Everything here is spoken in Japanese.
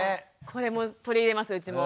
これも取り入れますうちも。